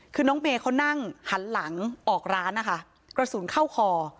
คือน้องเมย์เขานั่งหันหลังออกร้านนะคะกระสุนเข้าคอ